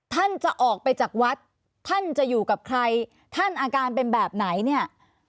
ท่านจะออกไปจากวัดท่านจะอยู่กับใครท่านอาการเป็นแบบไหนเนี่ย